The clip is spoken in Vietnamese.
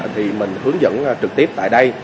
thì mình hướng dẫn trực tiếp tại đây